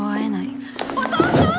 お父さん！